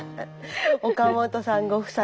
岡本さんご夫妻